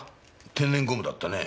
天然ゴムだったね。